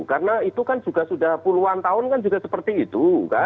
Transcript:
karena itu kan sudah puluhan tahun seperti itu